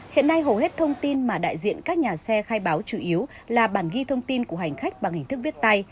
hiện nay hầu hết thông tin mà đại diện các nhà xe khai báo chủ yếu là bản ghi thông tin của hành khách bằng hình thức viết tay